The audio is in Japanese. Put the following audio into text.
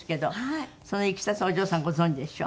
そのいきさつお嬢さんご存じでしょ？